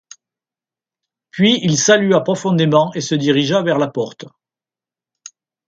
Puis il salua profondément, et se dirigea vers la porte.